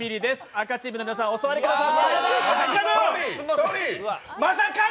赤チームの皆さん、お座りください